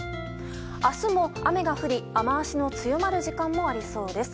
明日も雨が降り雨脚の強まる時間もありそうです。